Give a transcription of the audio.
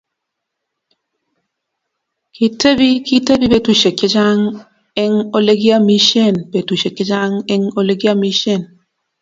Kitebi Kitebi betushiek chechang eng olegiamishen betushiek chechang eng olegiamishen